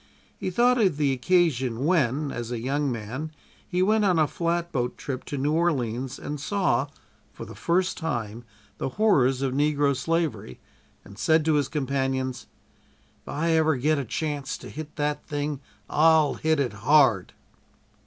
He thought of the occasion when, as a young man he went on a flatboat trip to New Orleans and saw, for the first, the horrors of negro slavery, and said to his companions: "If ever I get a chance to hit that thing I'll hit it hard!"